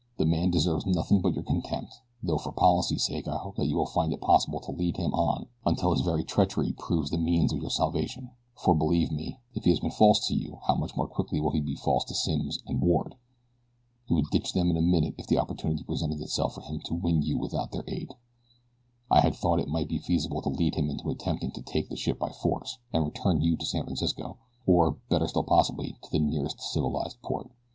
"The man deserves nothing but your contempt, though for policy's sake I hope that you will find it possible to lead him on until his very treachery proves the means of your salvation, for believe me, if he has been false to you how much more quickly will he be false to Simms and Ward! He would ditch them in a minute if the opportunity presented itself for him to win you without their aid. I had thought it might be feasible to lead him into attempting to take the ship by force, and return you to San Francisco, or, better still possibly, to the nearest civilized port.